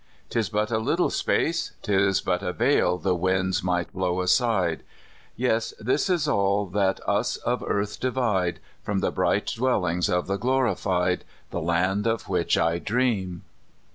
? Tis but a little space, 'Tis but a veil the winds might blow aside; Yes, this all that us of earth divide From the bright dwellings of the glorified, The land of which I dream.